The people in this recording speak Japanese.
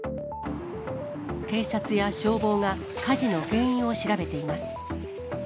警察や消防が火事の原因を調べています。